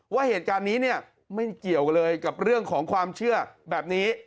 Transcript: ว่าเหตุการณ์นี้เนี่ยไม่เกี่ยวเลยกับเรื่องของความเชื่อแบบนี้